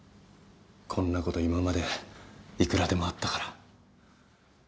こんなこと今までいくらでもあったから。